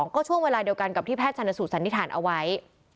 ก็ช่วงเวลาเดียวกันกับที่แพทย์ชนสูตสันนิษฐานเอาไว้